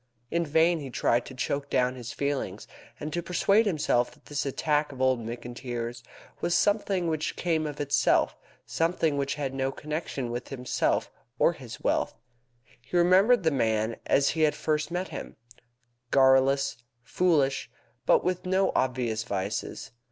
In vain he tried to choke down his feelings, and to persuade himself that this attack of old McIntyre's was something which came of itself something which had no connection with himself or his wealth. He remembered the man as he had first met him, garrulous, foolish, but with no obvious vices.